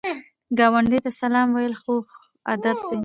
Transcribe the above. ګاونډي ته سلام ویل ښو ادب دی